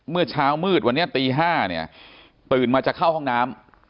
เมื่อเช้ามืดวันนี้ตี๕เนี่ยตื่นมาจะเข้าห้องน้ำ